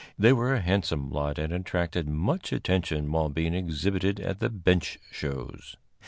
They were a handsome lot and attracted much attention while being exhibited at the bench shows.